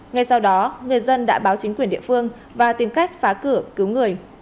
ngay sau đó người dân đã báo chính quyền địa phương và tìm cách phá cửa cứu người